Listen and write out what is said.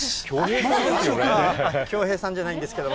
恭兵さんじゃないんですけど。